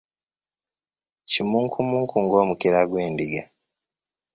Kimunkumunku ng’omukira gw’endiga.